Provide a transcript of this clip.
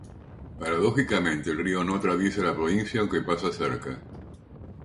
Paradójicamente, el río no atraviesa la provincia, aunque pasa cerca.